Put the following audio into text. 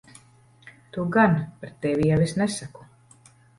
Tu gan. Par tevi jau es nesaku.